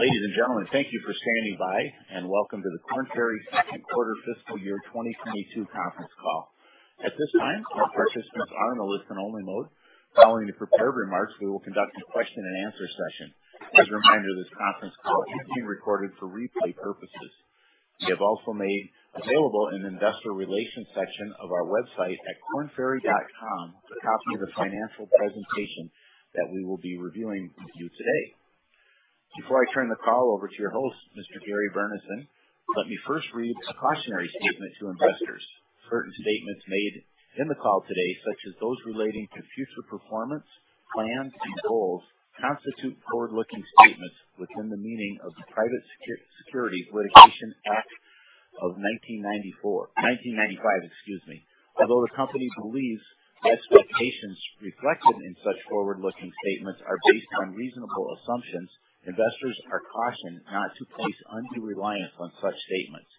Ladies and gentlemen, thank you for standing by, and welcome to the Korn Ferry's Second Quarter Fiscal Year 2022 Conference Call. At this time, all participants are in a listen only mode. Following the prepared remarks, we will conduct a question and answer session. As a reminder, this conference call is being recorded for replay purposes. We have also made available in the investor relations section of our website at kornferry.com a copy of the financial presentation that we will be reviewing with you today. Before I turn the call over to your host, Mr. Gary Burnison, let me first read a cautionary statement to investors. Certain statements made in the call today, such as those relating to future performance, plans and goals, constitute forward-looking statements within the meaning of the Private Securities Litigation Reform Act of 1995, excuse me. Although the company believes expectations reflected in such forward-looking statements are based on reasonable assumptions, investors are cautioned not to place undue reliance on such statements.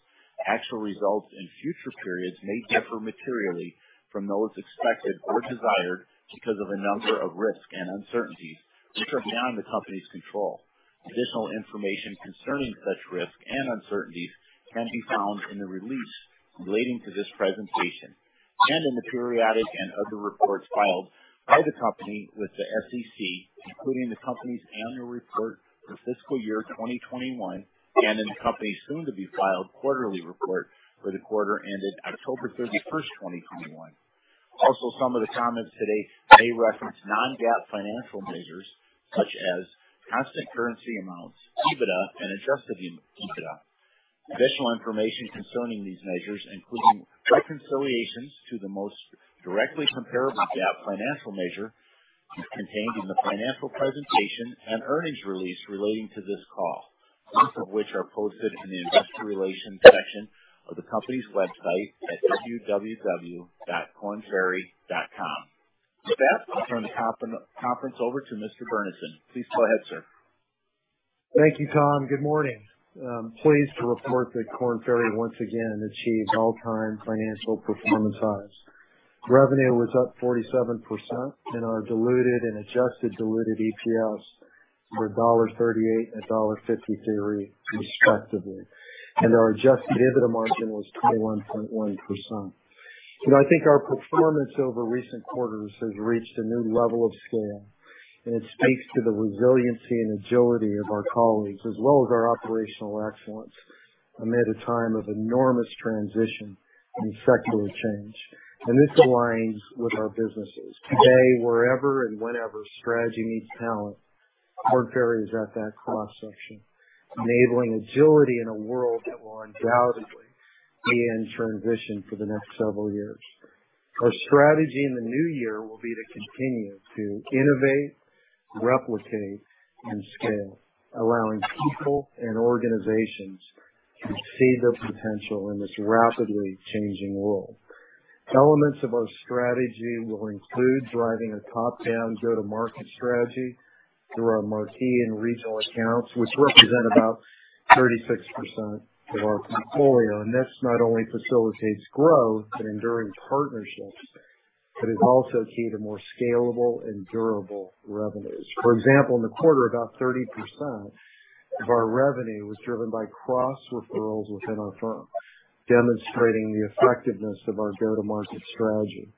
Actual results in future periods may differ materially from those expected or desired because of a number of risks and uncertainties which are beyond the company's control. Additional information concerning such risks and uncertainties can be found in the release relating to this presentation and in the periodic and other reports filed by the company with the SEC, including the company's annual report for fiscal year 2021, and in the company's soon to be filed quarterly report for the quarter ended October 31, 2021. Also, some of the comments today may reference non-GAAP financial measures such as constant currency amounts, EBITDA and adjusted EBITDA. Additional information concerning these measures, including reconciliations to the most directly comparable GAAP financial measure, is contained in the financial presentation and earnings release relating to this call, both of which are posted in the investor relations section of the company's website at www.kornferry.com. With that, I'll turn the conference over to Mr. Burnison. Please go ahead, sir. Thank you, Tom. Good morning. Pleased to report that Korn Ferry once again achieved all-time financial performance highs. Revenue was up 47% and our diluted and adjusted diluted EPS were $0.38 and $0.53, respectively. Our adjusted EBITDA margin was 21.1%. You know, I think our performance over recent quarters has reached a new level of scale, and it speaks to the resiliency and agility of our colleagues, as well as our operational excellence amid a time of enormous transition and secular change. This aligns with our businesses. Today, wherever and whenever strategy meets talent, Korn Ferry is at that cross section, enabling agility in a world that will undoubtedly be in transition for the next several years. Our strategy in the new year will be to continue to innovate, replicate, and scale, allowing people and organizations to see their potential in this rapidly changing world. Elements of our strategy will include driving a top-down go-to-market strategy through our marquee and regional accounts, which represent about 36% of our portfolio. This not only facilitates growth and enduring partnerships, but it also key to more scalable and durable revenues. For example, in the quarter, about 30% of our revenue was driven by cross referrals within our firm, demonstrating the effectiveness of our go-to-market strategy.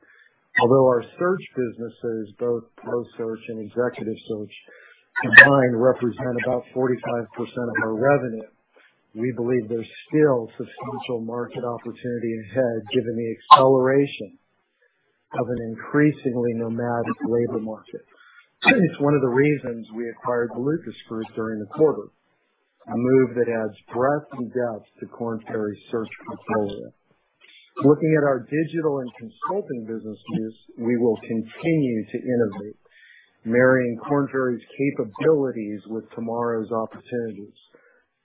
Although our search businesses, both Pro Search and Executive Search, combined represent about 45% of our revenue, we believe there's still substantial market opportunity ahead given the acceleration of an increasingly nomadic labor market. It's one of the reasons we acquired the Lucas Group during the quarter, a move that adds breadth and depth to Korn Ferry's Search portfolio. Looking at our Digital and Consulting businesses, we will continue to innovate, marrying Korn Ferry's capabilities with tomorrow's opportunities,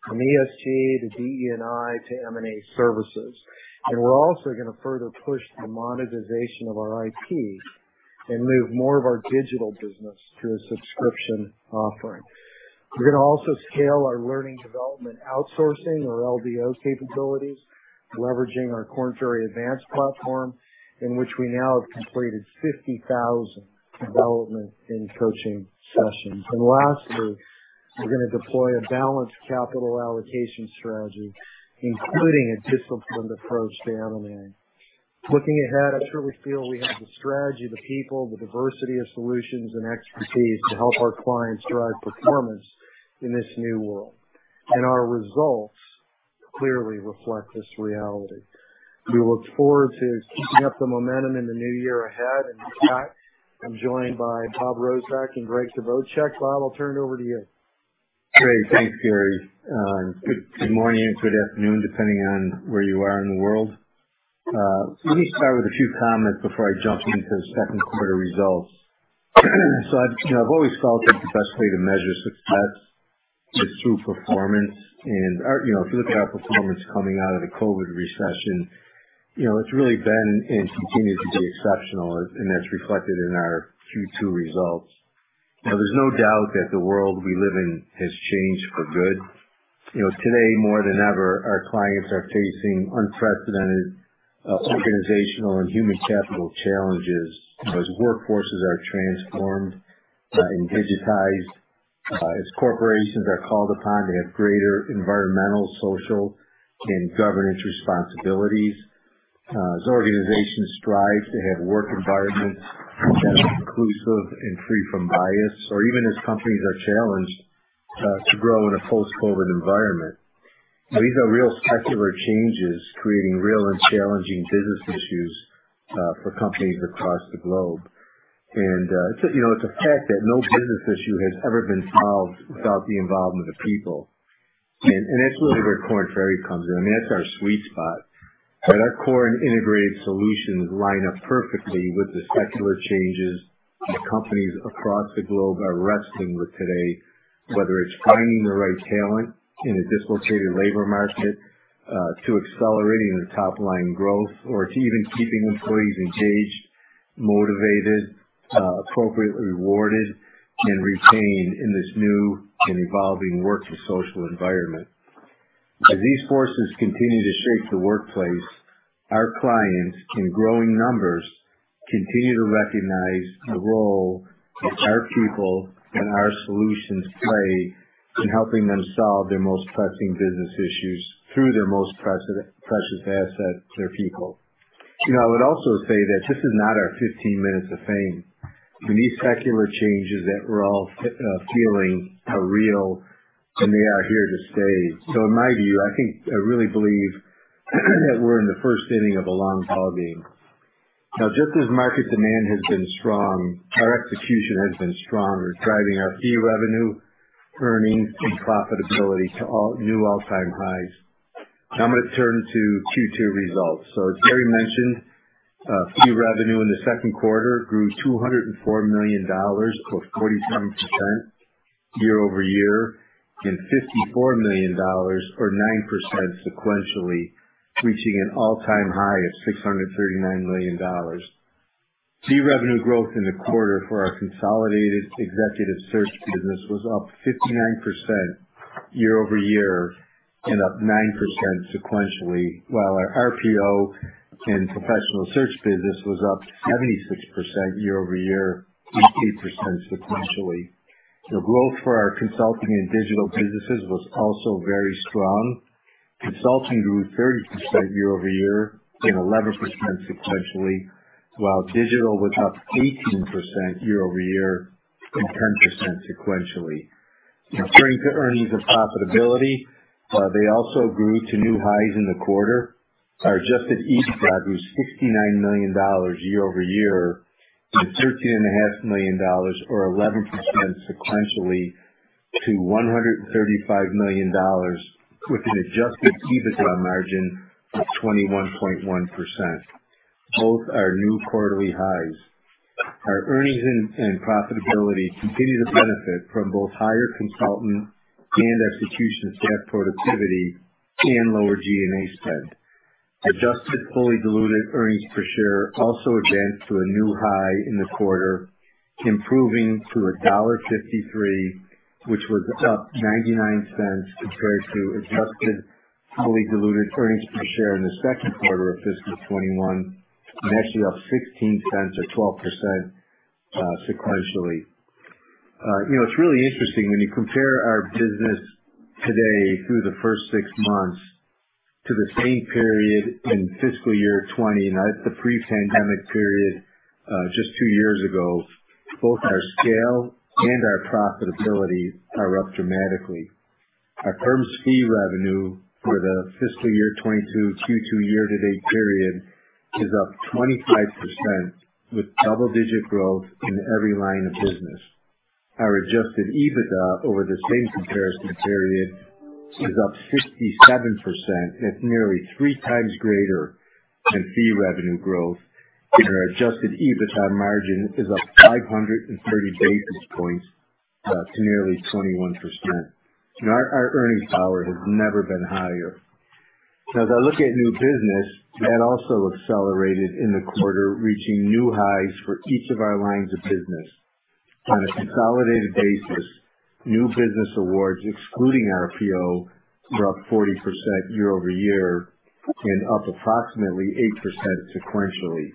from ESG to DE&I to M&A services. We're also gonna further push the monetization of our IP and move more of our Digital business to a subscription offering. We're gonna also scale our learning development outsourcing or LDO capabilities, leveraging our Korn Ferry Advance platform, in which we now have completed 50,000 development and coaching sessions. Lastly, we're gonna deploy a balanced capital allocation strategy, including a disciplined approach to M&A. Looking ahead, I truly feel we have the strategy, the people, the diversity of solutions and expertise to help our clients drive performance in this new world, and our results clearly reflect this reality. We look forward to keeping up the momentum in the new year ahead. With that, I'm joined by Bob Rozek and Gregg Kvochak. Bob, I'll turn it over to you. Great. Thanks, Gary. Good morning, good afternoon, depending on where you are in the world. Let me start with a few comments before I jump into the second quarter results. I've, you know, always felt that the best way to measure success is through performance and our, you know, if you look at our performance coming out of the COVID recession, you know, it's really been and continues to be exceptional, and that's reflected in our Q2 results. Now, there's no doubt that the world we live in has changed for good. You know, today more than ever, our clients are facing unprecedented organizational and human capital challenges as workforces are transformed and digitized, as corporations are called upon to have greater environmental, social, and governance responsibilities. As organizations strive to have work environments that are inclusive and free from bias, or even as companies are challenged to grow in a post-COVID environment. These are real secular changes creating real and challenging business issues for companies across the globe. You know, it's a fact that no business issue has ever been solved without the involvement of people. That's really where Korn Ferry comes in. I mean, that's our sweet spot. Our core and integrated solutions line up perfectly with the secular changes that companies across the globe are wrestling with today, whether it's finding the right talent in a dislocated labor market to accelerating their top-line growth or to even keeping employees engaged, motivated, appropriately rewarded, and retained in this new and evolving work to social environment. As these forces continue to shape the workplace, our clients, in growing numbers, continue to recognize the role our people and our solutions play in helping them solve their most pressing business issues through their most precious asset, their people. You know, I would also say that this is not our 15 minutes of fame. I mean, these secular changes that we're all feeling are real, and they are here to stay. In my view, I think, I really believe that we're in the first inning of a long ball game. Now, just as market demand has been strong, our execution has been stronger, driving our fee revenue, earnings, and profitability to all new all-time highs. Now I'm gonna turn to Q2 results. As Gary mentioned, fee revenue in the second quarter grew $204 million, or 47% year-over-year, and $54 million or 9% sequentially, reaching an all-time high of $639 million. Fee revenue growth in the quarter for our consolidated Executive Search business was up 59% year-over-year and up 9% sequentially, while our RPO and Professional Search business was up 76% year-over-year, and 8% sequentially. The growth for our Consulting and Digital businesses was also very strong. Consulting grew 30% year-over-year and 11% sequentially, while Digital was up 18% year-over-year and 10% sequentially. Now, turning to earnings and profitability, they also grew to new highs in the quarter. Our adjusted EBITDA grew $69 million year over year, and $13.5 million or 11% sequentially to $135 million, with an adjusted EBITDA margin of 21.1%. Both are new quarterly highs. Our earnings and profitability continue to benefit from both higher consultant and execution staff productivity and lower G&A spend. Adjusted fully diluted earnings per share also advanced to a new high in the quarter, improving to $1.53, which was up $0.99 compared to adjusted fully diluted earnings per share in the second quarter of fiscal 2021, and actually up $0.16 or 12% sequentially. You know, it's really interesting when you compare our business today through the first six months to the same period in fiscal year 2020, now that's the pre-pandemic period, just two years ago. Both our scale and our profitability are up dramatically. Our firm's fee revenue for the fiscal year 2022 Q2 year-to-date period is up 25%, with double-digit growth in every line of business. Our adjusted EBITDA over the same comparison period is up 67%. That's nearly three times greater than fee revenue growth, and our adjusted EBITDA margin is up 530 basis points to nearly 21%. Our earnings power has never been higher. Now as I look at new business, that also accelerated in the quarter, reaching new highs for each of our lines of business. On a consolidated basis, new business awards, excluding RPO, were up 40% year-over-year and up approximately 8% sequentially.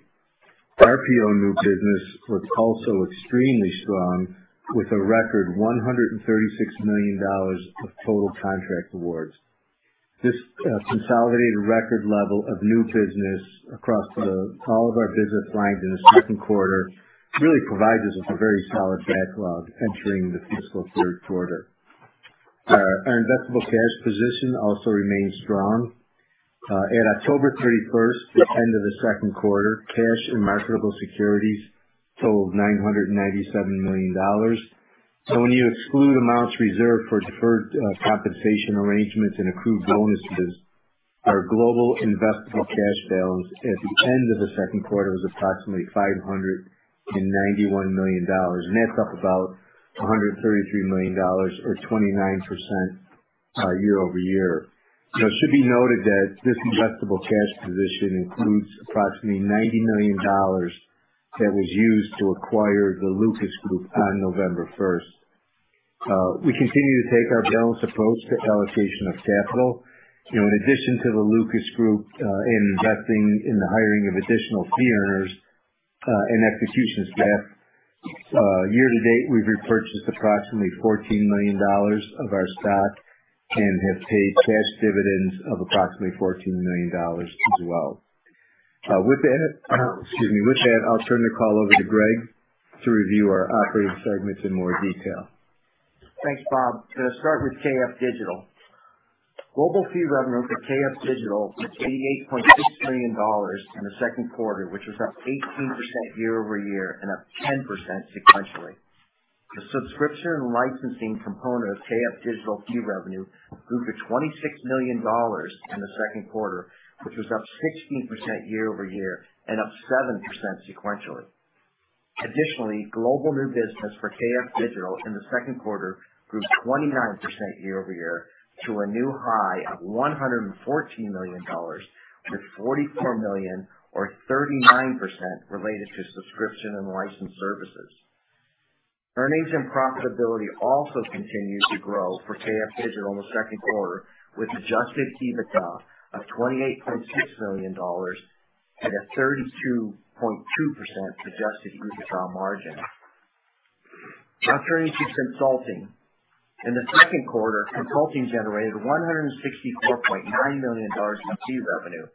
RPO new business was also extremely strong, with a record $136 million of total contract awards. This consolidated record level of new business across all of our business lines in the second quarter really provides us with a very solid backlog entering the fiscal third quarter. Our investable cash position also remains strong. At October 31st, the end of the second quarter, cash and marketable securities totaled $997 million. When you exclude amounts reserved for deferred compensation arrangements and accrued bonuses, our global investable cash balance at the end of the second quarter was approximately $591 million. That's up about $133 million or 29%, year-over-year. You know, it should be noted that this investable cash position includes approximately $90 million that was used to acquire the Lucas Group on November 1st. We continue to take our balanced approach to allocation of capital. You know, in addition to the Lucas Group, and investing in the hiring of additional fee earners, and execution staff, year-to-date, we've repurchased approximately $14 million of our stock and have paid cash dividends of approximately $14 million as well. With that, I'll turn the call over to Gregg to review our operating segments in more detail. Thanks, Bob. To start with KF Digital. Global fee revenue for KF Digital, $88.6 million in the second quarter, which was up 18% year-over-year and up 10% sequentially. The subscription and licensing component of KF Digital fee revenue grew to $26 million in the second quarter, which was up 16% year-over-year and up 7% sequentially. Additionally, global new business for KF Digital in the second quarter grew 29% year-over-year to a new high of $114 million, with $44 million or 39% related to subscription and license services. Earnings and profitability also continued to grow for KF Digital in the second quarter, with adjusted EBITDA of $28.6 million at a 32.2% adjusted EBITDA margin. Now, turning to Consulting. In the second quarter, Consulting generated $164.9 million in fee revenue,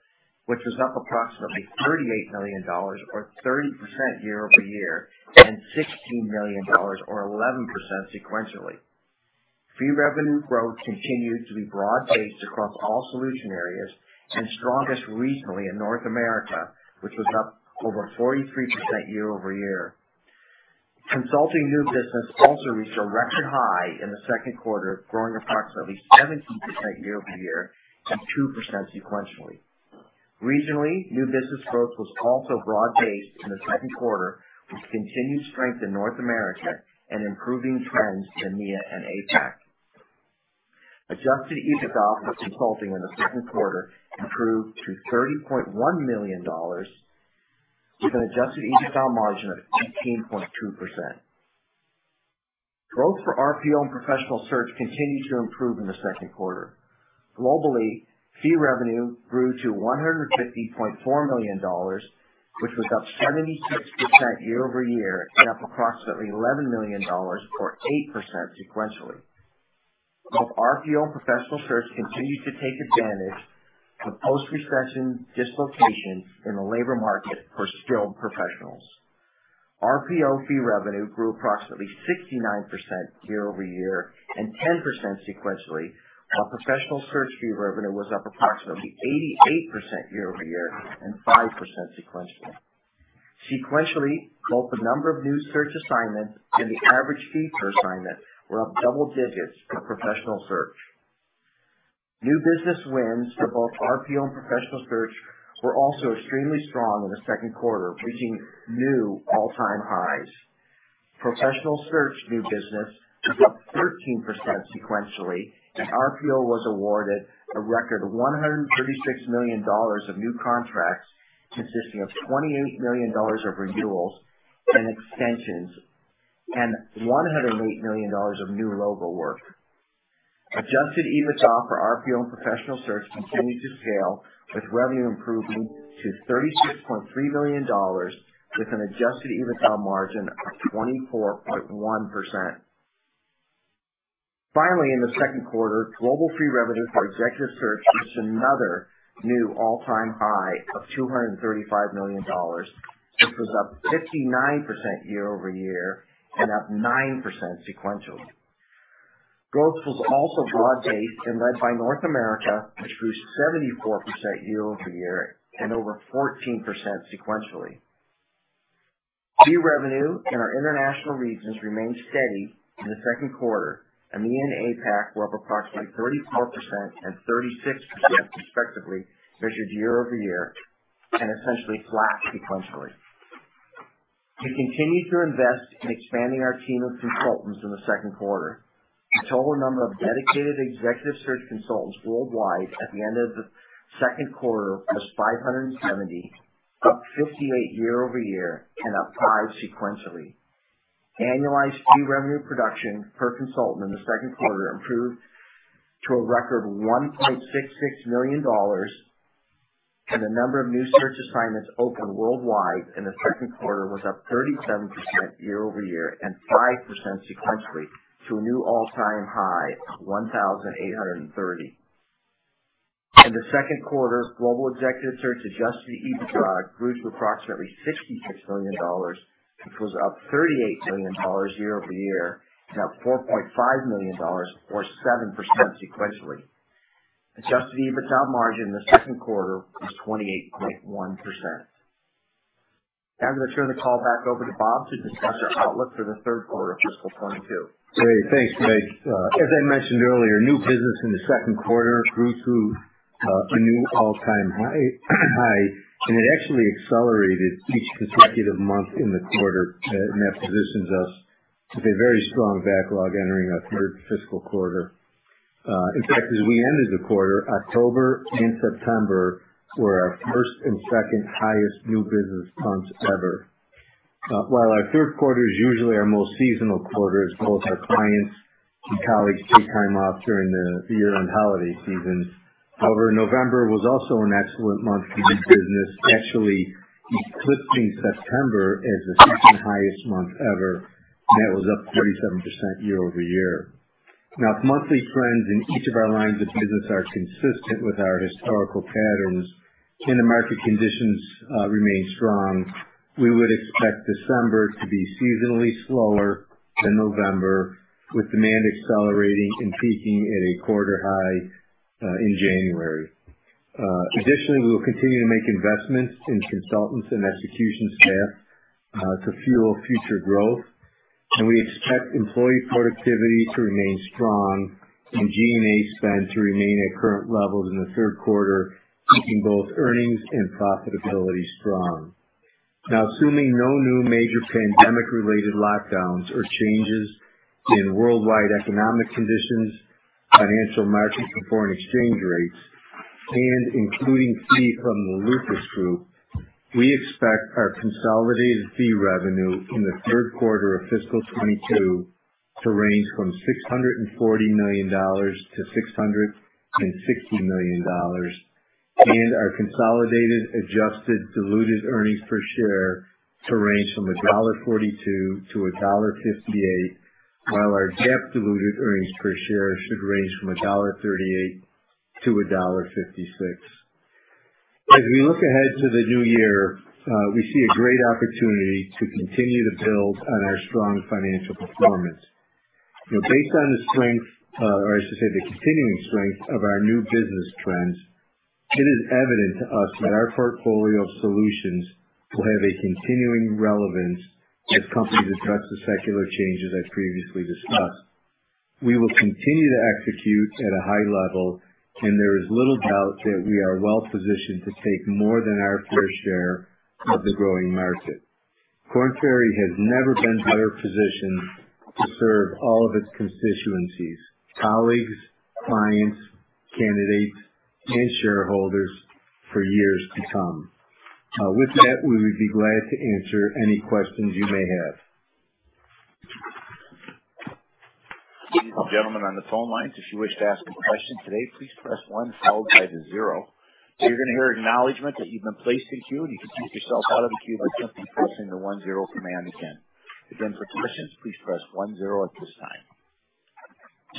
which was up approximately $38 million or 30% year-over-year and $16 million or 11% sequentially. Fee revenue growth continued to be broad-based across all solution areas and strongest regionally in North America, which was up over 43% year-over-year. Consulting new business also reached a record high in the second quarter, growing approximately 17% year-over-year and 2% sequentially. Regionally, new business growth was also broad-based in the second quarter, with continued strength in North America and improving trends in EMEA and APAC. Adjusted EBITDA for Consulting in the second quarter improved to $30.1 million with an Adjusted EBITDA margin of 18.2%. Growth for RPO and Professional Search continued to improve in the second quarter. Globally, fee revenue grew to $150.4 million, which was up 76% year-over-year and up approximately $11 million or 8% sequentially. Both RPO and Professional Search continued to take advantage of the post-recession dislocations in the labor market for skilled professionals. RPO fee revenue grew approximately 69% year-over-year and 10% sequentially, while Professional Search fee revenue was up approximately 88% year-over-year and 5% sequentially. Sequentially, both the number of new search assignments and the average fee per assignment were up double digits for Professional Search. New business wins for both RPO and Professional Search were also extremely strong in the second quarter, reaching new all-time highs. Professional Search new business was up 13% sequentially, and RPO was awarded a record $136 million of new contracts, consisting of $28 million of renewals and extensions and $108 million of new logo work. Adjusted EBITDA for RPO and Professional Search continued to scale, with revenue improving to $36.3 million, with an adjusted EBITDA margin of 24.1%. Finally, in the second quarter, global fee revenue for Executive Search reached another new all-time high of $235 million, which was up 59% year-over-year and up 9% sequentially. Growth was also broad-based and led by North America, which grew 74% year-over-year and over 14% sequentially. Fee revenue in our international regions remained steady in the second quarter. EMEA and APAC were up approximately 34% and 36% respectively measured year-over-year and essentially flat sequentially. We continued to invest in expanding our team of consultants in the second quarter. The total number of dedicated Executive Search consultants worldwide at the end of the second quarter was 570, up 58 year-over-year and up 5 sequentially. Annualized fee revenue production per consultant in the second quarter improved to a record $1.66 million, and the number of new search assignments opened worldwide in the second quarter was up 37% year-over-year and 5% sequentially to a new all-time high of 1,830. In the second quarter, global Executive Search adjusted EBITDA grew to approximately $66 million, which was up $38 million year over year, and up $4.5 million or 7% sequentially. Adjusted EBITDA margin in the second quarter was 28.1%. Now I'm going to turn the call back over to Bob to discuss our outlook for the third quarter of fiscal 2022. Great. Thanks, Gregg. As I mentioned earlier, new business in the second quarter grew to a new all-time high, and it actually accelerated each consecutive month in the quarter. That positions us with a very strong backlog entering our third fiscal quarter. In fact, as we ended the quarter, October and September were our first and second highest new business months ever. While our third quarter is usually our most seasonal quarters, both our clients and colleagues take time off during the year-end holiday season. However, November was also an excellent month for new business, actually eclipsing September as the second highest month ever. That was up 37% year-over-year. Now, if monthly trends in each of our lines of business are consistent with our historical patterns and the market conditions remain strong, we would expect December to be seasonally slower than November, with demand accelerating and peaking at a quarter high in January. Additionally, we will continue to make investments in consultants and execution staff to fuel future growth, and we expect employee productivity to remain strong and G&A spend to remain at current levels in the third quarter, keeping both earnings and profitability strong. Now, assuming no new major pandemic related lockdowns or changes in worldwide economic conditions, financial markets and foreign exchange rates, and including fee from the Lucas Group, we expect our consolidated fee revenue in the third quarter of fiscal 2022 to range from $640 million-$660 million. Our consolidated adjusted diluted earnings per share to range from $1.42-$1.58, while our GAAP diluted earnings per share should range from $1.38-$1.56. As we look ahead to the new year, we see a great opportunity to continue to build on our strong financial performance. You know based on the strength, or I should say, the continuing strength of our new business trends, it is evident to us that our portfolio of solutions will have a continuing relevance as companies address the secular changes I previously discussed. We will continue to execute at a high level, and there is little doubt that we are well positioned to take more than our fair share of the growing market. Korn Ferry has never been better positioned to serve all of its constituencies, colleagues, clients, candidates and shareholders for years to come. With that, we would be glad to answer any questions you may have. Ladies and gentlemen on the phone lines, if you wish to ask a question today, please press one followed by the zero. You're gonna hear acknowledgement that you've been placed in queue, and you can take yourself out of the queue by simply pressing the one zero command again. Again, for questions, please press one zero at this time.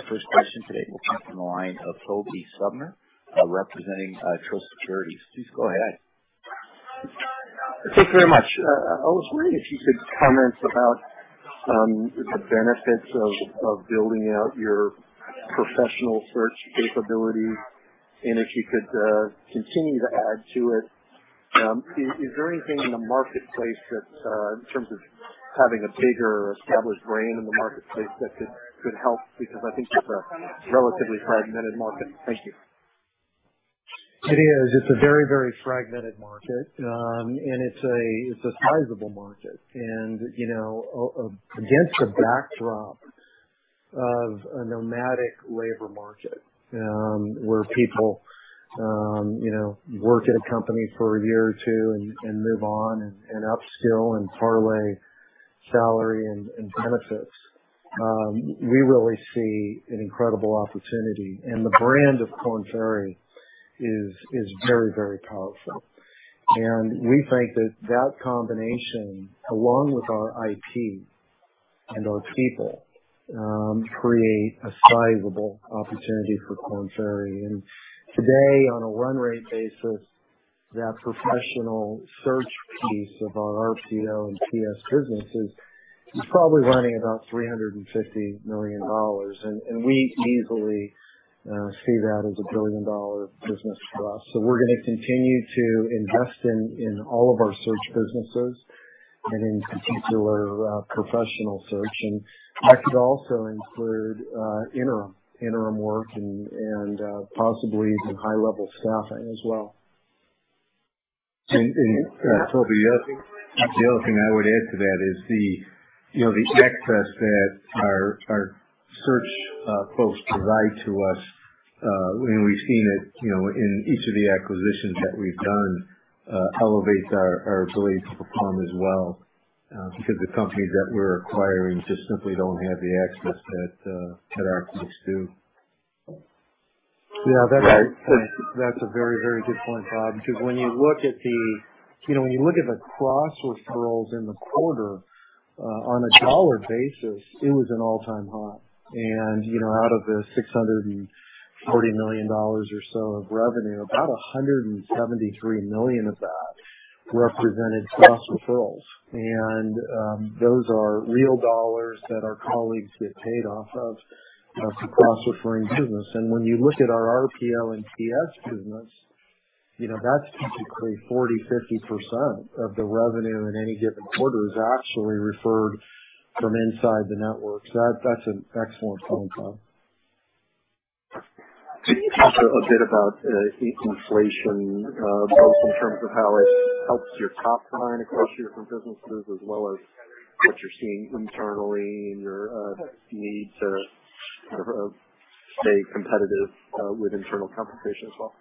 The first question today will come from the line of Tobey Sommer, representing Truist Securities. Please go ahead. Thank you very much. I was wondering if you could comment about the benefits of building out your Professional Search capabilities and if you could continue to add to it. Is there anything in the marketplace that, in terms of having a bigger established brand in the marketplace that could help? Because I think it's a relatively fragmented market. Thank you. It is. It's a very, very fragmented market. It's a sizable market. You know, against a backdrop of a nomadic labor market, where people, you know, work at a company for a year or two and move on and upskill and parlay salary and benefits. We really see an incredible opportunity. The brand of Korn Ferry is very, very powerful. We think that that combination, along with our IP and our people, create a sizable opportunity for Korn Ferry. Today, on a run rate basis, that professional search piece of our RPO and PS businesses is probably running about $350 million. We easily see that as a billion-dollar business for us. We're gonna continue to invest in all of our search businesses and in particular, Professional Search. That could also include interim work and possibly some high-level staffing as well. Tobey, the other thing I would add to that is the, you know, the access that our search folks provide to us, and we've seen it, you know, in each of the acquisitions that we've done, elevates our ability to perform as well, because the companies that we're acquiring just simply don't have the access that our folks do. Yeah, that's a very good point, Bob, because when you look at the cross referrals in the quarter, you know, on a dollar basis, it was an all-time high. You know, out of the $640 million or so of revenue, about $173 million of that represented cross referrals. Those are real dollars that our colleagues get paid off of the cross referring business. When you look at our RPO and PS business, you know, that's typically 40%-50% of the revenue in any given quarter is actually referred from inside the networks. That's an excellent point, Bob. Could you talk a bit about inflation, both in terms of how it helps your top line across your different businesses as well as what you're seeing internally and your need to sort of stay competitive with internal competition as well?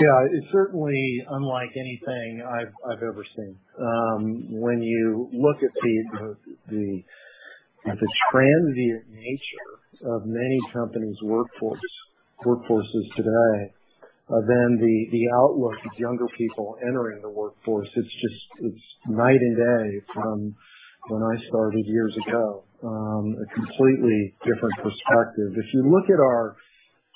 Yeah. It's certainly unlike anything I've ever seen. When you look at the transient nature of many companies' workforces today, then the outlook of younger people entering the workforce, it's just night and day from when I started years ago, a completely different perspective. If you look at our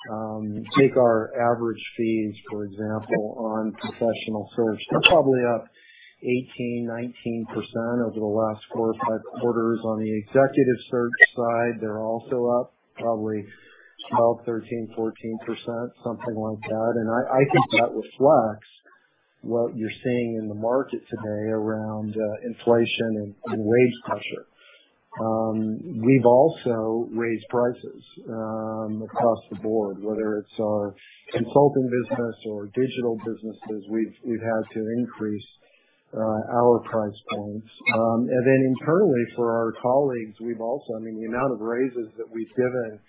average fees, for example, on Professional Search, they're probably up 18%-19% over the last four or five quarters. On the Executive Search side, they're also up probably 12%-14%, something like that. I think that reflects what you're seeing in the market today around inflation and wage pressure. We've also raised prices across the board, whether it's our Consulting business or Digital businesses, we've had to increase our price points. Then internally for our colleagues, I mean, the amount of raises that we've given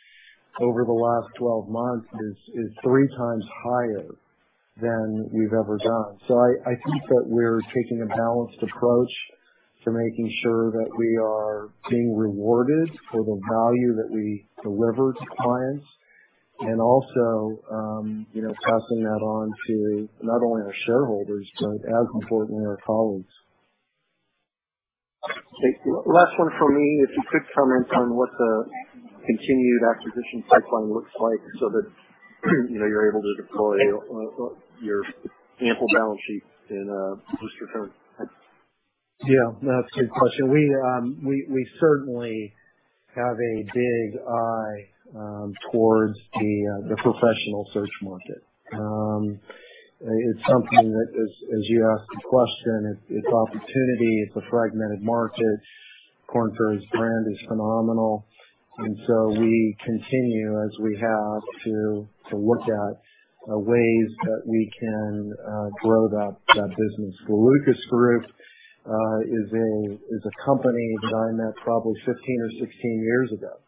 over the last 12 months is 3x higher than we've ever done. I think that we're taking a balanced approach to making sure that we are being rewarded for the value that we deliver to clients and also, you know, passing that on to not only our shareholders, but as importantly, our colleagues. Okay. Last one for me. If you could comment on what the continued acquisition pipeline looks like so that, you know, you're able to deploy your ample balance sheet in the short term. Yeah, that's a good question. We certainly have our eye on the Professional Search market. It's something that as you asked the question, it's an opportunity. It's a fragmented market. Korn Ferry's brand is phenomenal. We continue as we have to look at ways that we can grow that business. The Lucas Group is a company that I met probably 15 or 16 years ago.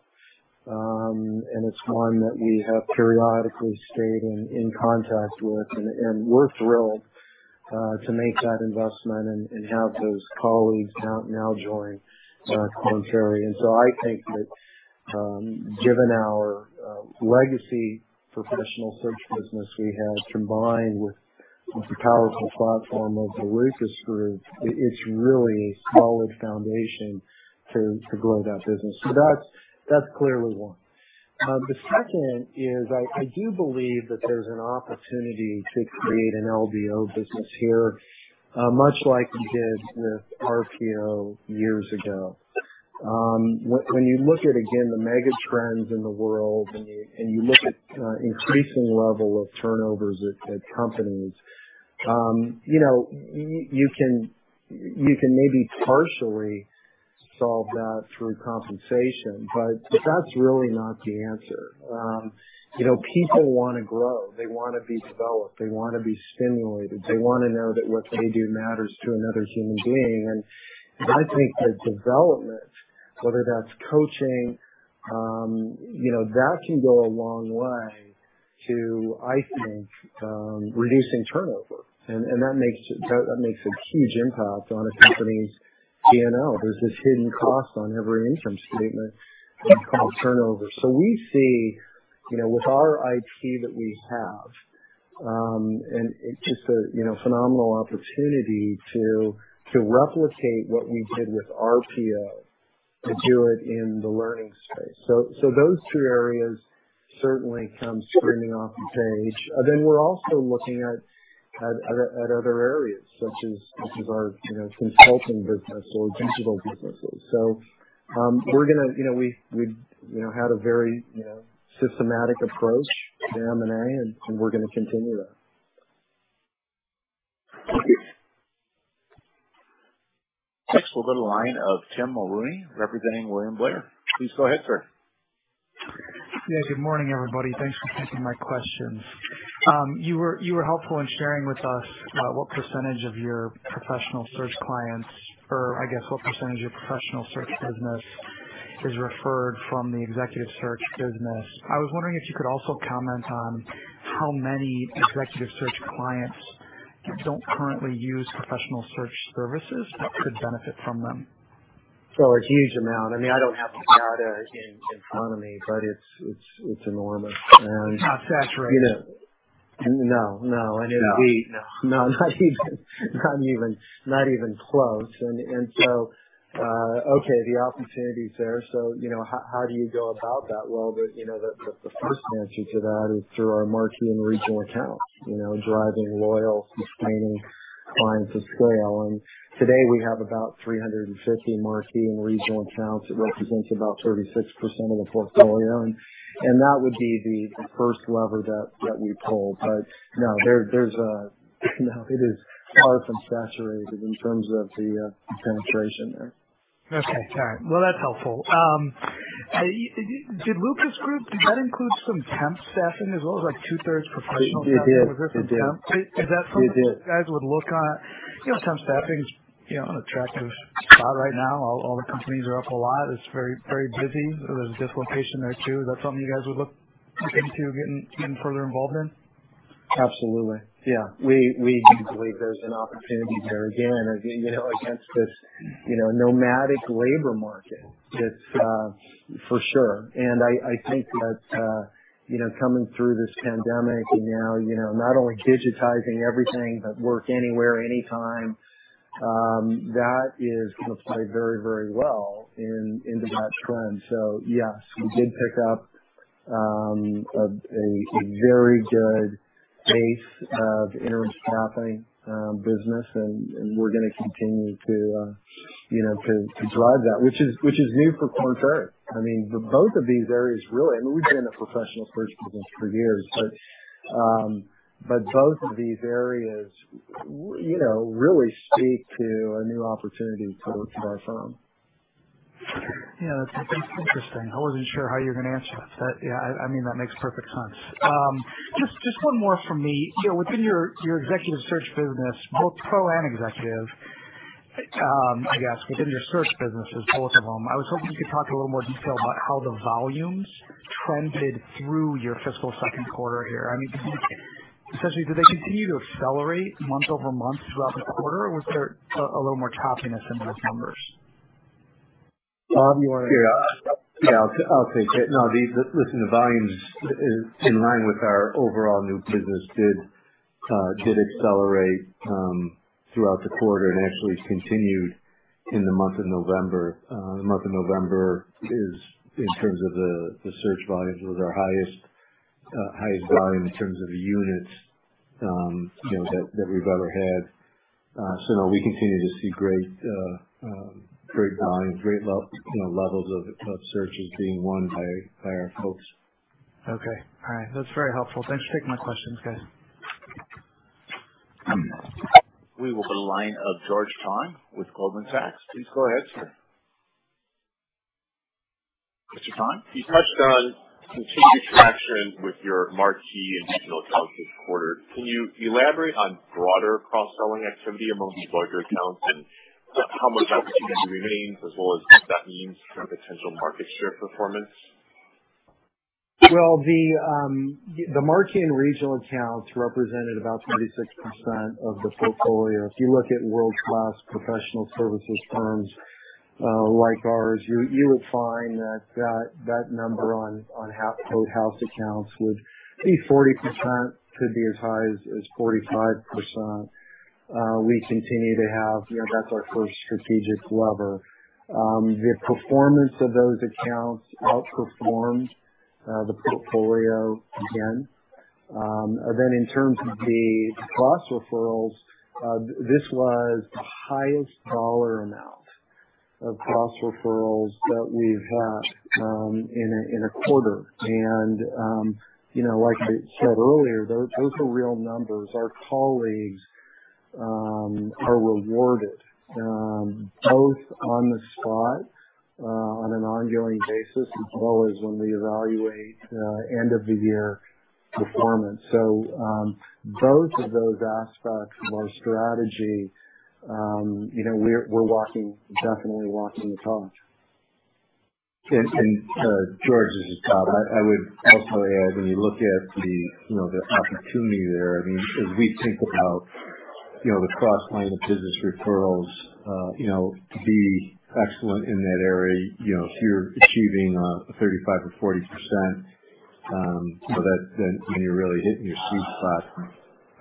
It's one that we have periodically stayed in contact with. We're thrilled to make that investment and have those colleagues now join Korn Ferry. I think that, given our legacy Professional Search business we have combined with the powerful platform of the Lucas Group, it's really a solid foundation to grow that business. That's clearly one. The second is I do believe that there's an opportunity to create an LDO business here, much like we did with RPO years ago. When you look at, again, the mega trends in the world and you look at increasing level of turnovers at companies, you know, you can maybe partially solve that through compensation, but that's really not the answer. You know, people wanna grow, they wanna be developed, they wanna be stimulated. They wanna know that what they do matters to another human being. I think the development, whether that's coaching, you know, that can go a long way to, I think, reducing turnover. That makes a huge impact on a company's P&L. There's this hidden cost on every income statement called turnover. We see, you know, with our IP that we have, and it's just a, you know, phenomenal opportunity to replicate what we did with RPO, to do it in the learning space. Those two areas certainly come screaming off the page. We're also looking at other areas such as our, you know, Consulting business or Digital businesses. We're gonna, you know, we've had a very, you know, systematic approach to M&A, and we're gonna continue that. Thank you. Next, we'll go to the line of Tim Mulrooney representing William Blair. Please go ahead, sir. Yeah, good morning, everybody. Thanks for taking my questions. You were helpful in sharing with us what percentage of your Professional Search clients or I guess, what percentage of your Professional Search business is referred from the Executive Search business. I was wondering if you could also comment on how many Executive Search clients don't currently use Professional Search services that could benefit from them? A huge amount. I mean, I don't have the data in front of me, but it's enormous. Not saturated. You know. No. I mean No. No, not even close. Okay, the opportunity is there. You know, how do you go about that? Well, you know, the first answer to that is through our marquee and regional accounts you know, driving loyal, sustaining clients of scale. Today we have about 350 marquee and regional accounts that represents about 36% of the portfolio. That would be the first lever that we pull. No, it is far from saturated in terms of the penetration there. Okay. All right. Well, that's helpful. Did Lucas Group include some temp staffing as well as, like, two-thirds professional- It did. Is that something? It did. You guys would look into? You know, temp staffing's, you know, an attractive spot right now. All the companies are up a lot. It's very busy. There's a dislocation there too. Is that something you guys would look into getting further involved in? Absolutely. Yeah. We believe there's an opportunity there. Again, you know, against this, you know, nomadic labor market. It's for sure. I think that, you know, coming through this pandemic and now, you know, not only digitizing everything but work anywhere, anytime, that is gonna play very, very well into that trend. Yes, we did pick up a very good base of interim staffing business. We're gonna continue to, you know, to drive that. Which is new for Korn Ferry. I mean, both of these areas really. I mean, we've been a Professional Search business for years, but both of these areas, you know, really speak to a new opportunity to our firm. Yeah, that's interesting. I wasn't sure how you were gonna answer that. Yeah, I mean, that makes perfect sense. Just one more from me. You know, within your Executive Search business, both Pro and Executive, I guess within your search Businesses, both of them, I was hoping you could talk a little more detail about how the volumes trended through your fiscal second quarter here. I mean, essentially, did they continue to accelerate month-over-month throughout the quarter, or was there a little more choppiness in those numbers? Bob, you wanna- Yeah. Yeah, I'll take that. No, listen, the volumes is in line with our overall new business, did accelerate throughout the quarter and actually continued in the month of November. The month of November, in terms of the search volumes, was our highest volume in terms of units, you know, that we've ever had. So no, we continue to see great volume, great levels of searches being won by our folks. Okay. All right. That's very helpful. Thanks for taking my questions, guys. We will go to the line of George Tong with Goldman Sachs. Please go ahead, sir. Mr. Tong? You touched on continued traction with your marquee and regional accounts this quarter. Can you elaborate on broader cross-selling activity among these larger accounts and how much opportunity remains, as well as what that means for potential market share performance? Well, the marquee and regional accounts represented about 36% of the portfolio. If you look at world-class professional services firms like ours, you would find that number on quote, house accounts would be 40%, could be as high as 45%. We continue to have. You know, that's our first strategic lever. The performance of those accounts outperformed the portfolio again. In terms of the cross referrals, this was the highest dollar amount of cross referrals that we've had in a quarter. You know, like I said earlier, those are real numbers. Our colleagues are rewarded both on the spot, on an ongoing basis, as well as when we evaluate end of the year performance. both of those aspects of our strategy, you know, we're walking, definitely walking the talk. George, this is Bob. I would also add, when you look at the, you know, the opportunity there, I mean, as we think about, you know, the cross-line of business referrals, you know, to be excellent in that area, you know, if you're achieving, 35% or 40%, you know, that's then when you're really hitting your sweet spot.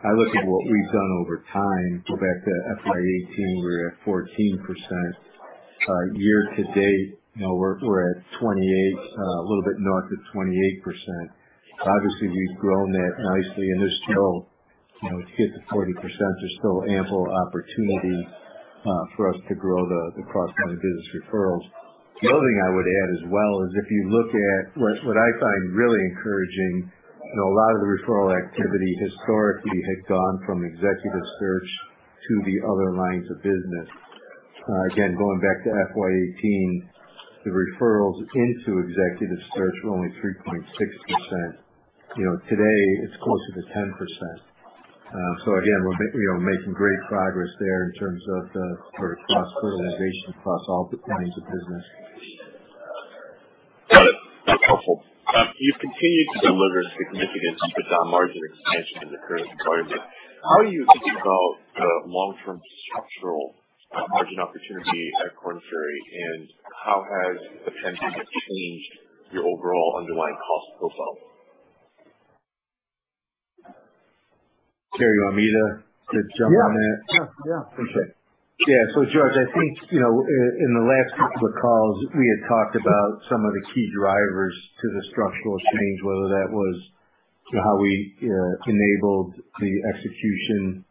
I look at what we've done over time, go back to FY 2018, we're at 14%. Year to date, you know, we're at 28%, a little bit north of 28%. So obviously we've grown that nicely. There's still, you know, to get to 40%, there's still ample opportunity, for us to grow the cross-line of business referrals. The other thing I would add as well is if you look at what I find really encouraging, you know, a lot of the referral activity historically had gone from Executive Search to the other lines of business. Again, going back to FY 2018, the referrals into Executive Search were only 3.6%. You know, today it's closer to 10%. So again, we're you know, making great progress there in terms of the sort of cross fertilization across all the lines of business. Got it. That's helpful. You've continued to deliver significant EBITDA margin expansion in the current environment. How do you think about the long-term structural margin opportunity at Korn Ferry, and how has the pandemic changed your overall underlying cost profile? Gary, you want me to jump on that? Yeah. Yeah. Yeah. Okay. Yeah, George, I think, you know, in the last couple of calls, we had talked about some of the key drivers to the structural change, whether that was how we enabled the execution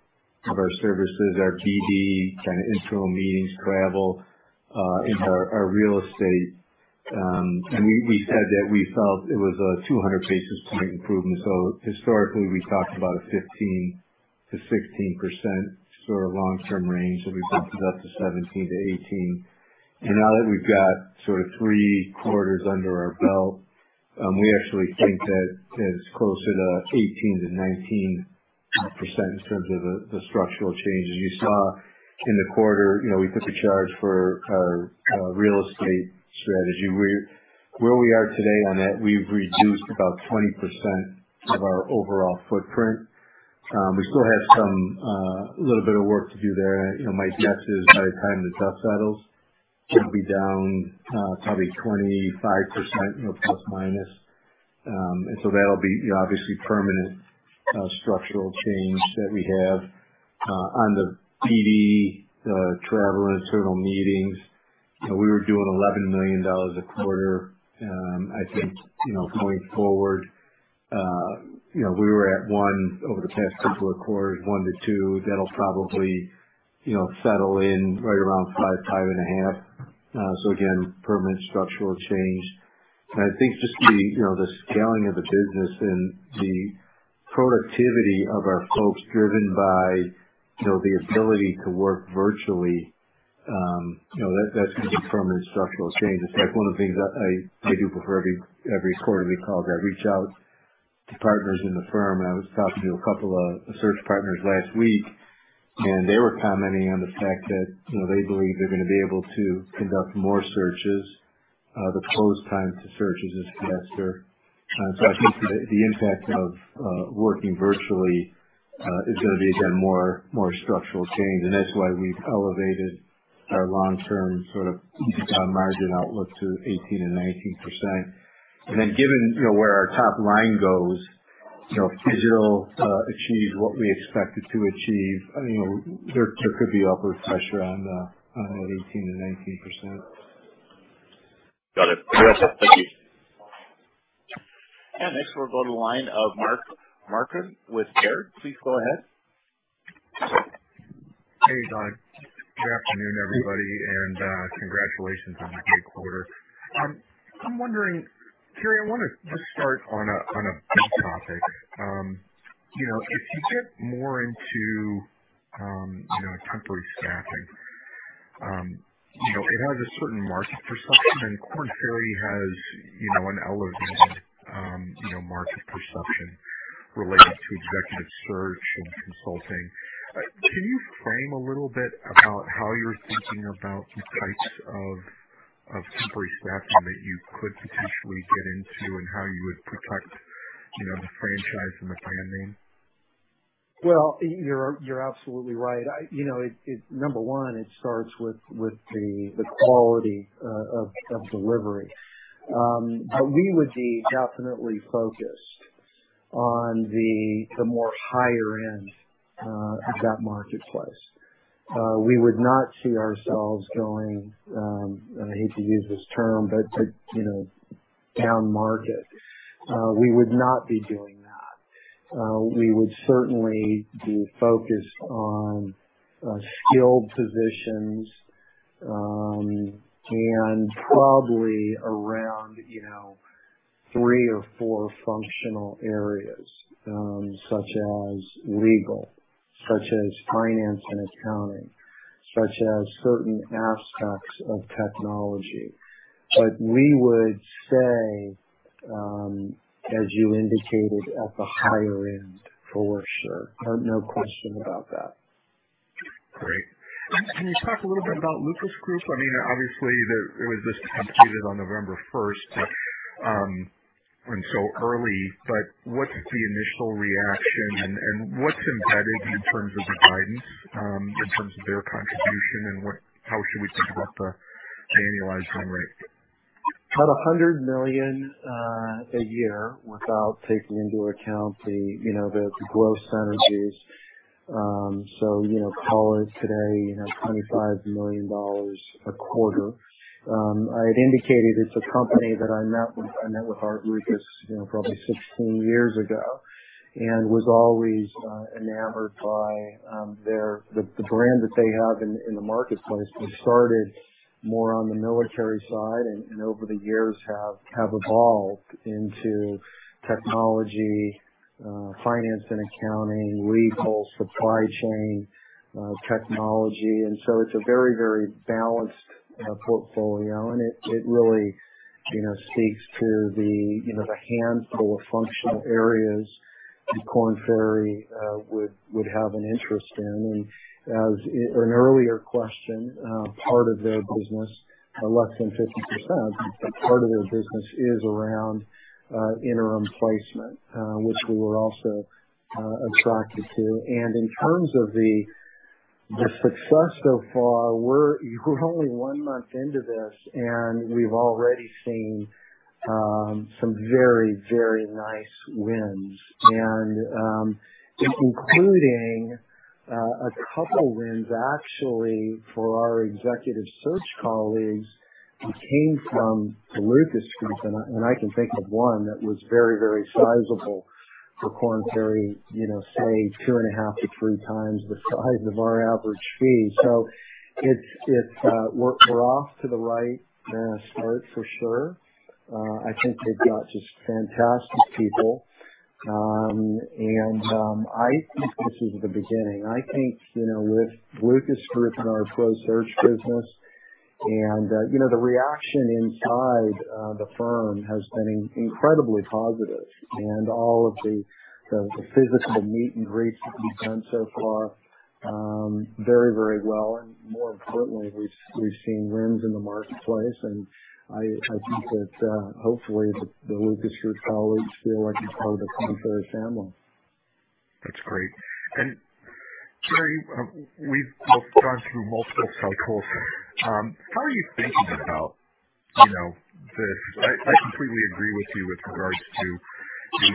of our services, our BD, kind of internal meetings, travel, and our real estate. We said that we felt it was a 200 basis point improvement. Historically we talked about a 15%-16% sort of long-term range, and we bumped it up to 17%-18%. Now that we've got sort of three quarters under our belt, we actually think that it's closer to 18%-19% in terms of the structural changes. You saw in the quarter, you know, we took a charge for our real estate strategy. Where we are today on that, we've reduced about 20% of our overall footprint. We still have some, a little bit of work to do there. You know, my guess is by the time the dust settles, it'll be down probably 25%, you know, plus or minus. That'll be, you know, obviously permanent structural change that we have on the BD travel and internal meetings. You know, we were doing $11 million a quarter. I think, you know, going forward, you know, we were at $1 million over the past couple of quarters, $1-$2. That'll probably, you know, settle in right around $5 million-$5.5 million. Again, permanent structural change. I think just, you know, the scaling of the business and the productivity of our folks driven by, you know, the ability to work virtually, you know, that's going to be permanent structural change. In fact, one of the things I do before every quarterly call is I reach out to partners in the firm, and I was talking to a couple of search partners last week, and they were commenting on the fact that, you know, they believe they're going to be able to conduct more searches. The close time to searches is faster. So I think the impact of working virtually is gonna be, again, more structural change. That's why we've elevated our long-term sort of EBITDA margin outlook to 18%-19%. Then given, you know, where our top line goes, you know, if it'll achieve what we expect it to achieve, you know, there could be upward pressure on that 18%-19%. Got it. Okay, that's it. Thank you. Next we'll go to the line of Mark Marcon with Baird. Please go ahead. Hey, Bob. Good afternoon, everybody, and congratulations on the great quarter. I'm wondering, Gary, I want to just start on a big topic. You know, as you get more into you know temporary staffing, you know, it has a certain market perception, and Korn Ferry has you know an elevated you know market perception related to Executive Search and Consulting. Can you frame a little bit about how you're thinking about the types of temporary staffing that you could potentially get into and how you would protect you know the franchise and the brand name? Well, you're absolutely right. You know, number one, it starts with the quality of delivery. But we would be definitely focused on the more higher end of that marketplace. We would not see ourselves going, and I hate to use this term, but to, you know, down market. We would not be doing that. We would certainly be focused on skilled positions, and probably around three or four functional areas, such as legal, such as finance and accounting, such as certain aspects of technology. We would stay as you indicated at the higher end for sure. No question about that. Great. Can you talk a little bit about Lucas Group? I mean, obviously it was just completed on November first, but and so early, but what's the initial reaction and what's embedded in terms of the guidance, in terms of their contribution and what, how should we think about the annualized run rate? About $100 million a year without taking into account the, you know, the growth synergies. So, you know, call it today, you know, $25 million a quarter. I had indicated it's a company that I met with Art Lucas, you know, probably 16 years ago and was always enamored by the brand that they have in the marketplace. They started more on the military side and over the years have evolved into technology, finance and accounting, legal, supply chain, technology. It's a very balanced portfolio. It really, you know, speaks to the handful of functional areas that Korn Ferry would have an interest in. As in an earlier question, part of their business, less than 50%, but part of their business is around interim placement, which we were also attracted to. In terms of the success so far, we're only one month into this, and we've already seen some very, very nice wins. Including a couple wins actually for our Executive Search colleagues who came from the Lucas Group, and I can think of one that was very, very sizable. For Korn Ferry, you know, say 2.5x-3x the size of our average fee. It's, we're off to the right start for sure. I think they've got just fantastic people. I think this is the beginning. I think, you know, with Lucas Group in our closed search business and, you know, the reaction inside, the firm has been incredibly positive. All of the physical meet and greets that we've done so far, very well. More importantly, we've seen wins in the marketplace. I think that, hopefully, the Lucas Group colleagues feel like it's part of the Korn Ferry family. That's great. Gary, we've gone through multiple cycles. How are you thinking about, you know, I completely agree with you with regards to the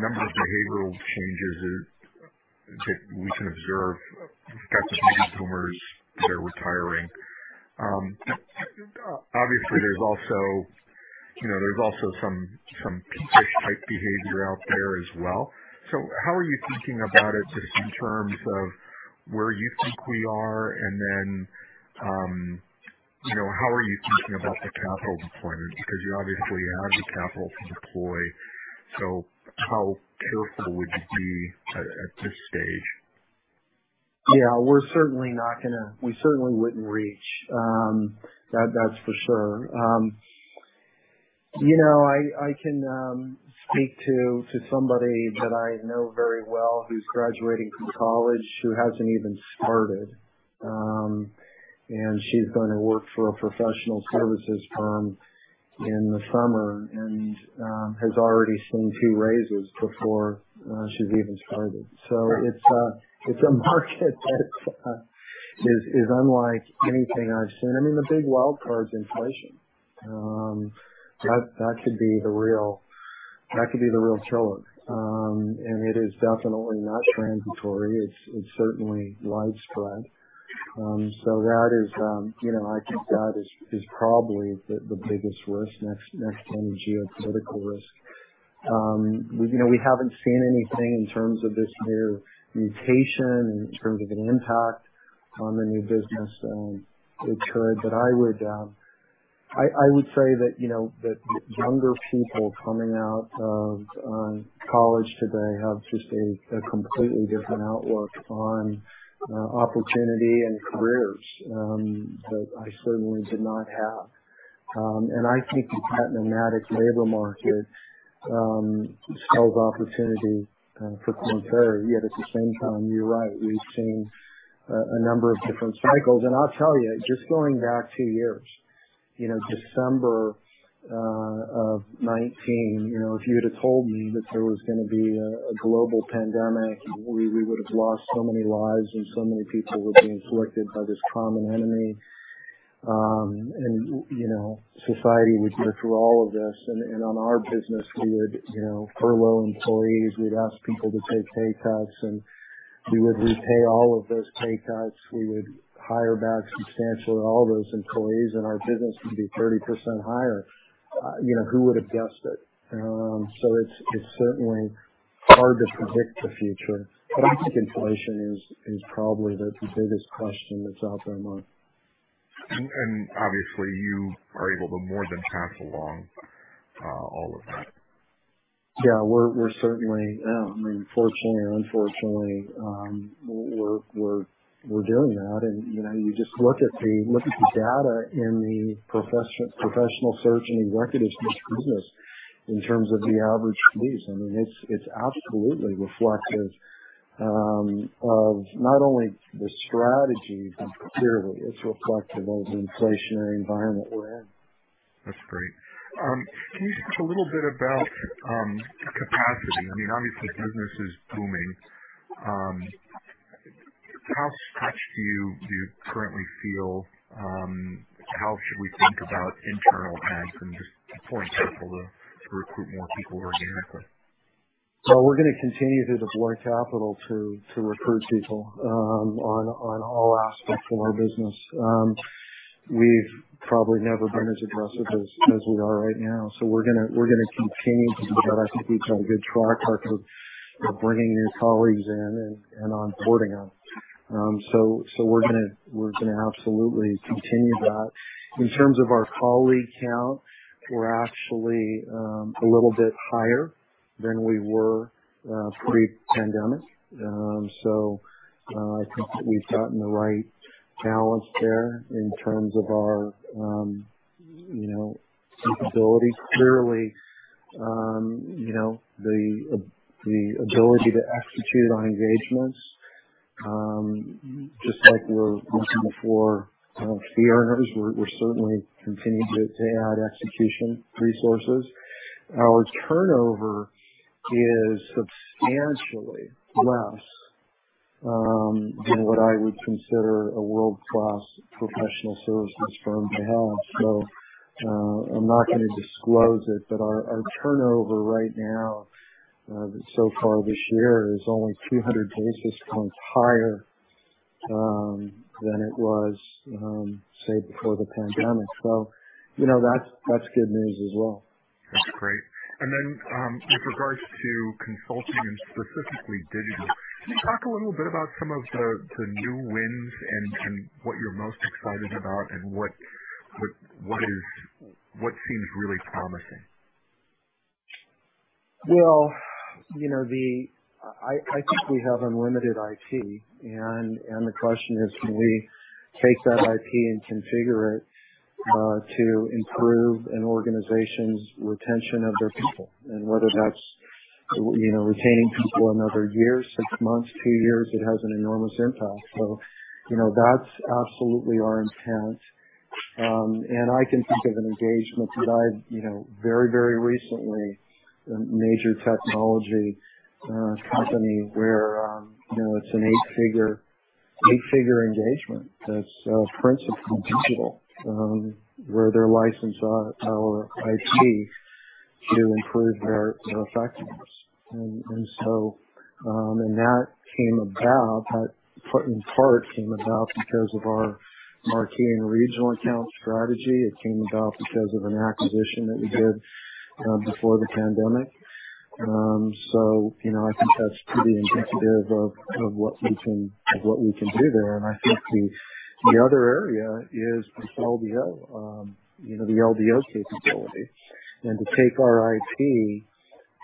number of behavioral changes that we can observe with respect to consumers that are retiring. Obviously, there's also, you know, some fish-type behavior out there as well. How are you thinking about it just in terms of where you think we are, and then, you know, how are you thinking about the capital deployment? Because you obviously have the capital to deploy. How careful would you be at this stage? Yeah, we're certainly not gonna. We certainly wouldn't reach that's for sure. You know, I can speak to somebody that I know very well who's graduating from college, who hasn't even started, and she's going to work for a professional services firm in the summer and has already seen two raises before she's even started. It's a market that is unlike anything I've seen. I mean, the big wild card is inflation. That could be the real killer. It is definitely not transitory. It's certainly widespread. That is, you know, I think that is probably the biggest risk next to any geopolitical risk. You know, we haven't seen anything in terms of this new mutation, in terms of an impact on the new business. It could, but I would say that, you know, that younger people coming out of college today have just a completely different outlook on opportunity and careers that I certainly did not have. I think the tight nomadic labor market spells opportunity for Korn Ferry. Yet at the same time, you're right, we've seen a number of different cycles. I'll tell you, just going back two years, you know, December of 2019, you know, if you would've told me that there was gonna be a global pandemic, we would have lost so many lives and so many people would be afflicted by this common enemy, and, you know, society would go through all of this. On our business, we would, you know, furlough employees, we'd ask people to take pay cuts, and we would repay all of those pay cuts. We would hire back substantially all those employees, and our business would be 30% higher. You know, who would have guessed it? So it's certainly hard to predict the future. I think inflation is probably the biggest question that's out there among. Obviously you are able to more than pass along all of that. Yeah. We're certainly, I mean, fortunately or unfortunately, we're doing that. You know, you just look at the data in the Professional Search and the record of this business in terms of the average fees. I mean, it's absolutely reflective of not only the strategy clearly, it's reflective of the inflationary environment we're in. That's great. Can you speak a little bit about capacity? I mean, obviously business is booming. How stretched do you currently feel? How should we think about internal ads and just deploying people to recruit more people organically? We're gonna continue to deploy capital to recruit people on all aspects of our business. We've probably never been as aggressive as we are right now. We're gonna continue to do that. I think we've got a good track record of bringing new colleagues in and onboarding them. We're gonna absolutely continue that. In terms of our colleague count, we're actually a little bit higher than we were pre-pandemic. I think that we've gotten the right balance there in terms of our you know capabilities. Clearly you know the ability to execute on engagements just like we're looking for fee earners we're certainly continuing to add execution resources. Our turnover is substantially less than what I would consider a world-class professional services firm to have. I'm not gonna disclose it, but our turnover right now so far this year is only 200 basis points higher than it was, say before the pandemic. You know, that's good news as well. That's great. With regards to Consulting and specifically Digital, can you talk a little bit about some of the new wins and what you're most excited about and what seems really promising? I think we have unlimited IP and the question is, can we take that IP and configure it to improve an organization's retention of their people? Whether that's you know retaining people another year, six months, two years, it has an enormous impact. You know that's absolutely our intent. I can think of an engagement that I've you know very recently a major technology company where you know it's an eight-figure engagement that's principally Digital where they license our IP to improve their effectiveness. That in part came about because of our marquee and regional account strategy. It came about because of an acquisition that we did before the pandemic. You know, I think that's pretty indicative of what we can do there. I think the other area is with LDO, you know, the LDO capability and to take our IP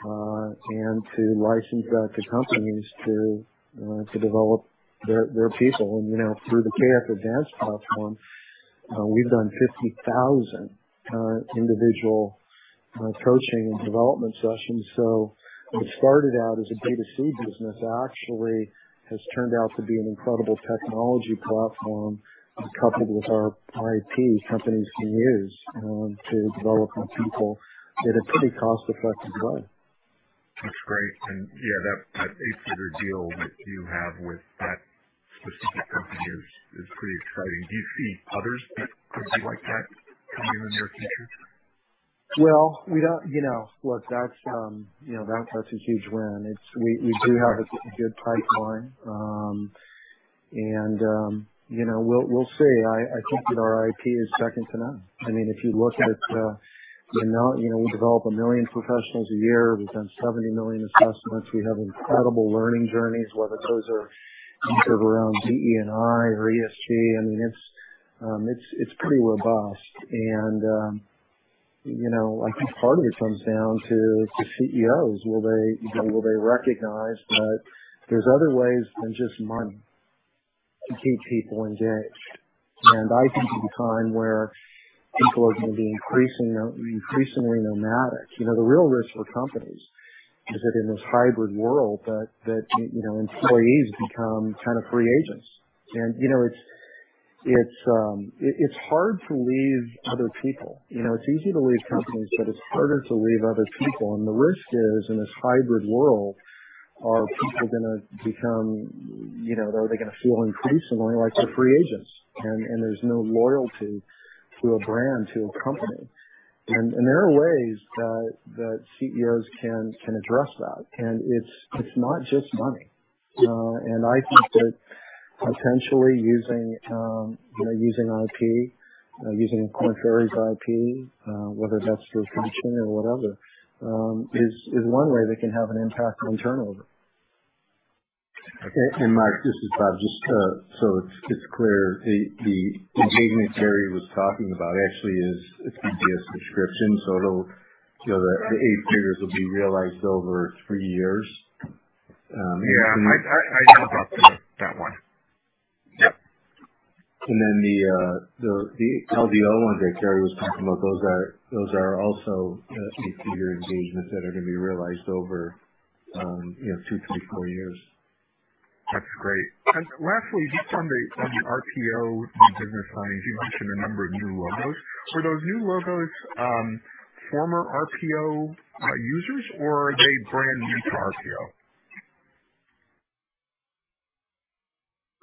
and to license that to companies to develop their people. You know, through the KF Advance platform, we've done 50,000 individual coaching and development sessions. What started out as a B2C business actually has turned out to be an incredible technology platform coupled with our IP companies can use to develop their people at a pretty cost-effective way. That's great. Yeah, that eight-figure deal that you have with that specific company is pretty exciting. Do you see others like that coming in the near future? Well, you know, look, that's a huge win. We do have a good pipeline. You know, we'll see. I think that our IT is second to none. I mean, if you look at the amount, you know, we develop 1 million professionals a year. We've done 70 million assessments. We have incredible learning journeys, whether those are centered around DE&I or ESG. I mean, it's pretty robust. You know, I think part of it comes down to the CEOs. Will they recognize that there's other ways than just money to keep people engaged? I think in the time where people are going to be increasingly nomadic, you know, the real risk for companies is that in this hybrid world, you know, employees become kind of free agents. You know, it's hard to leave other people. You know, it's easy to leave companies, but it's harder to leave other people. The risk is, in this hybrid world, are people gonna become, you know, are they gonna feel increasingly like they're free agents? And there's no loyalty to a brand, to a company. And there are ways that CEOs can address that. It's not just money. I think that potentially using IP, using Korn Ferry's IP, whether that's through retention or whatever, is one way they can have an impact on turnover. Mark, this is Bob. It's clear, the engagement Gary was talking about actually is it's going to be a subscription, so it'll, you know, the eight figures will be realized over three years. Yeah. I know about that one. Yep. Then the LDO ones that Gary was talking about, those are also eight-figure engagements that are gonna be realized over, you know, two, three, four years. That's great. Lastly, just on the RPO business line, you mentioned a number of new logos. Were those new logos, former RPO users or are they brand new to RPO?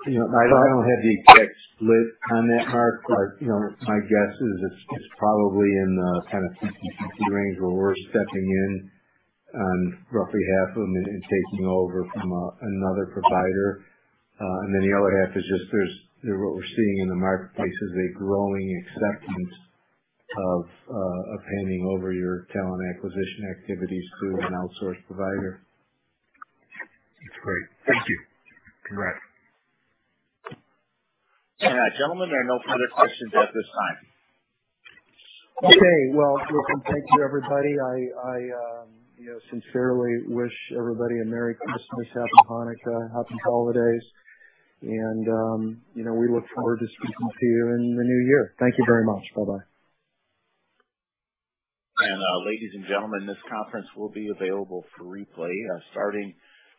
You know, I don't have the exact split on that, Mark. You know, my guess is it's probably in the kind of 50/50 range where we're stepping in on roughly half of them and taking over from another provider. The other half is just what we're seeing in the marketplace is a growing acceptance of handing over your talent acquisition activities to an outsourced provider. That's great. Thank you. Congrats. Gentlemen, there are no further questions at this time. Okay. Well, listen, thank you, everybody. I sincerely wish everybody a Merry Christmas, Happy Hanukkah, Happy Holidays, and we look forward to speaking to you in the new year. Thank you very much. Bye-bye. Ladies and gentlemen, this conference will be available for replay starting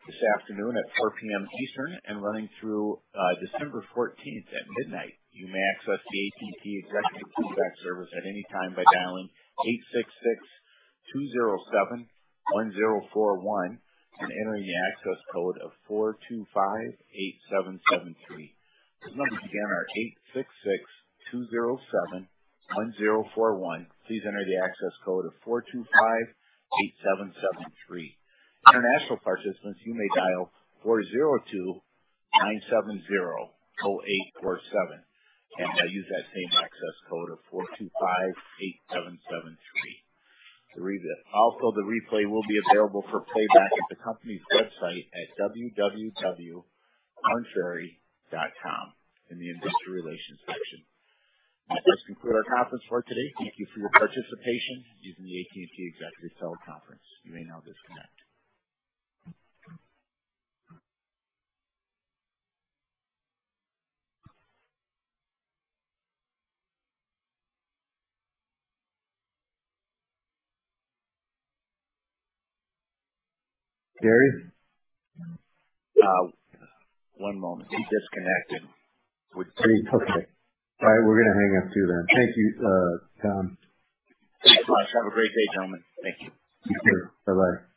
this afternoon at 4 P.M. Eastern and running through December 14 at midnight. You may access the AT&T executive playback service at any time by dialing 866-207-1041 and entering the access code of 425-8773. Those numbers again are 866-207-1041. Please enter the access code of 425-8773. International participants, you may dial 402-970-0847 and use that same access code of 425-8773 to replay. Also, the replay will be available for playback at the company's website at www.kornferry.com in the investor relations section. That does conclude our conference for today. Thank you for your participation using the AT&T Executive Teleconference. You may now disconnect. Gary? One moment. He disconnected. Okay. All right. We're gonna hang up too then. Thank you, Tom. Thanks, guys. Have a great day, gentlemen. Thank you. You too. Bye-bye.